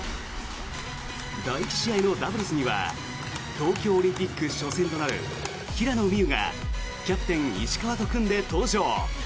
第１試合のダブルスには東京オリンピック初戦となる平野美宇がキャプテン、石川と組んで登場。